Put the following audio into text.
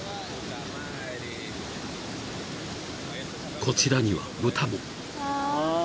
［こちらには豚も］